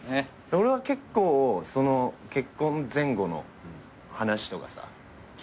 俺は結構その結婚前後の話とかさ聞いてたじゃん。